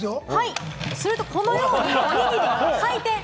するとこのようにおにぎりが回転。